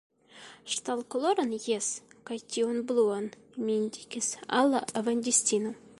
Ŝtalkoloran, jes, kaj tiun bluan, – mi indikis al la vendistino.